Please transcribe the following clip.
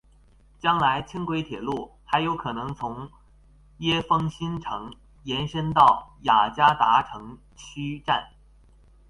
将来轻轨铁路还有可能从椰风新城延伸到雅加达城区站。